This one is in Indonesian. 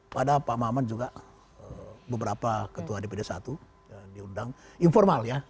pada pak maman juga beberapa ketua dpd satu diundang informal ya